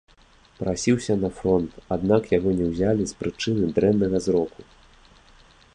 Прасіўся на фронт, аднак яго не ўзялі з прычыны дрэннага зроку.